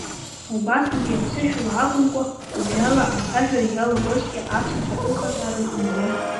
Убасҟангьы аԥсышәала акәымкәа убриала ацәажәара иалагозгьы аԥсацәа ыҟазаарын, умбои.